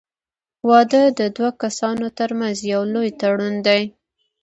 • واده د دوه کسانو تر منځ یو لوی تړون دی.